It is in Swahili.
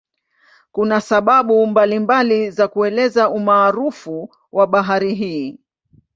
Kuna sababu mbalimbali za kuelezea umaarufu wa bahari hii.